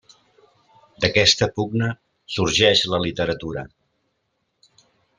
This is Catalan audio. D'aquesta pugna sorgeix la literatura.